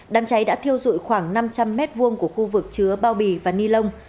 đám cháy đã thiêu rụi khoảng năm trăm linh mét vuông của khu vực chứa bao bì và ni lông